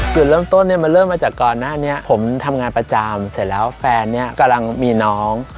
จุดเริ่มต้นเนี่ยมันเริ่มมาจากก่อนหน้านี้ผมทำงานประจำเสร็จแล้วแฟนเนี่ยกำลังมีน้อง